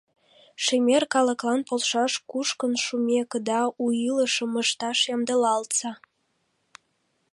Шемер калыклан полшаш, кушкын шумекыда, у илышым ышташ ямдылалтса!